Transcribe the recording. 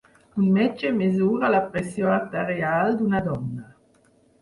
Un metge mesura la pressió arterial d'una dona.